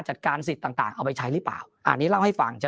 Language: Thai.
จัดการสิทธิ์ต่างเอาไปใช้หรือเปล่าอันนี้เล่าให้ฟังจะ